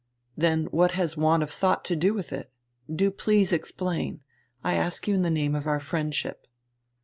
"Then what has want of thought to do with it? Do please explain. I ask you in the name of our friendship."